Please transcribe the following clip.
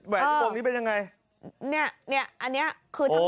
แหวนตรงนี้เป็นยังไงเนี้ยเนี้ยอันเนี้ยคือโอ้ย